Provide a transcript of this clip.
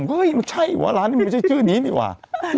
เฮ้ยมันใช่วะร้านนี้มันไม่ใช่ชื่อนี้ดีกว่า